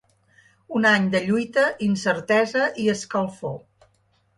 Un any de lluita, incertesa i escalfor.